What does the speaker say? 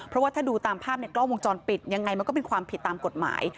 เพราะว่าถ้าดูตามภาพในกล้องวงจรปิดยังไงมันก็เป็นความผิดตามกฎหมาย